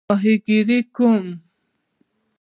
ماهیګیري کوم؟